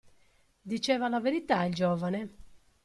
Diceva la verità il giovane?